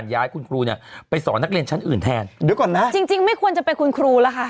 ย้ายคุณครูเนี่ยไปสอนนักเรียนชั้นอื่นแทนเดี๋ยวก่อนนะจริงจริงไม่ควรจะเป็นคุณครูแล้วค่ะ